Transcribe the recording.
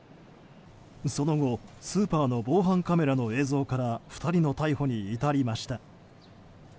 その後、スーパーの防犯カメラの映像から２人の逮捕に至りました。